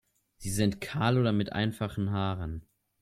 Sie sind kahl oder mit einfachen Haaren.